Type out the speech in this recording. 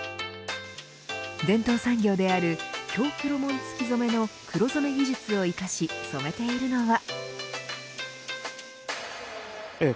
伝統産業である京黒紋付染めの黒染め技術を生かし染めているのは。